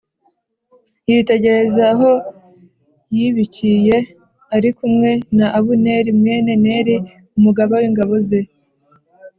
yitegereza aho yibīkiriye ari kumwe na Abuneri mwene Neri umugaba w’ingabo ze.